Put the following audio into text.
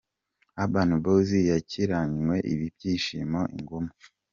Urban Boyz yakiranywe ibyishimo i Ngoma.